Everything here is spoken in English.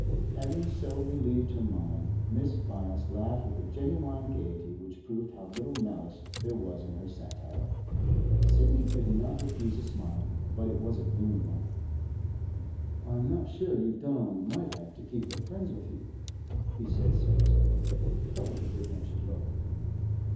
Having so relieved her mind, Mrs. Byass laughed with a genuine gaiety which proved how little malice there was in her satire. Sidney could not refuse a smile, but it was a gloomy one. 'I'm not sure you've done all you might have to keep her friends with you,' he said seriously, but with a good natured look.